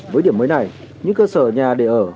với điểm mới này những cơ sở nhà để ở